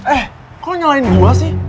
eh kok nyalain gue sih